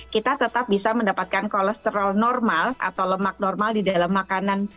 kita tetap bisa mendapatkan kolesterol normal atau lemak normal di dalam makanan